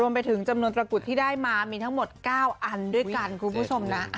ไปถึงจำนวนตระกุดที่ได้มามีทั้งหมด๙อันด้วยกันคุณผู้ชมนะ